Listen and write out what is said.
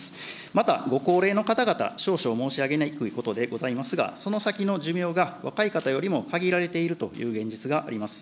また、ご高齢の方々、少々申し上げにくいことでございますが、その先の寿命が、若い方よりも限られているという現実があります。